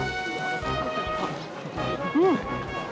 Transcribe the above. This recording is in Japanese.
うん！